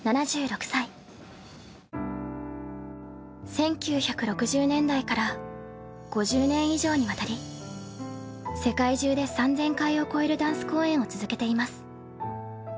１９６０年代から５０年以上にわたり世界中で３，０００回を超えるダンス公演を続けています。